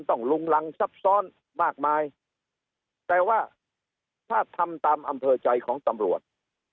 ลุงรังซับซ้อนมากมายแต่ว่าถ้าทำตามอำเภอใจของตำรวจ